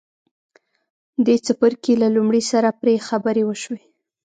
دې څپرکي له لومړي سره پرې خبرې وشوې.